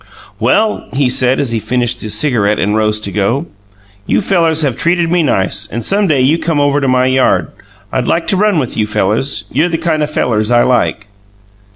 "Well," he said as he finished his cigarette and rose to go, "you fellers have treated me nice and some day you come over to my yard; I'd like to run with you fellers. You're the kind of fellers I like."